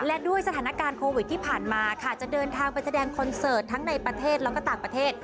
และด้วยสถานการณ์โควิดที่ผ่านมาค่ะจะเดินทางไปแสดงคอนเสิร์ตทั้งในประเทศแล้วก็ต่างประเทศ